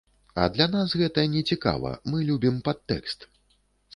А для нас гэта не цікава, мы любім падтэкст.